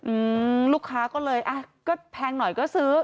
อืมลูกค้าก็เลยอ่ะก็แพงหน่อยก็ซื้อ